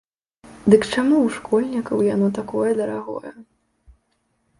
Дык чаму ў школьнікаў яно такое дарагое?